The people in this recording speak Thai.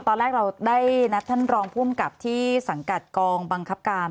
ตอนแรกเราได้นัดท่านรองภูมิกับที่สังกัดกองบังคับการ